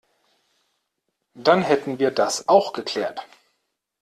Dann hätten wir das auch geklärt.